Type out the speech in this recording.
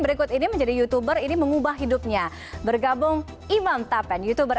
berikut ini menjadi youtuber ini mengubah hidupnya bergabung imam tapen youtuber